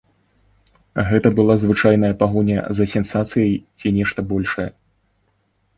Гэта была звычайная пагоня за сенсацыяй ці нешта большае?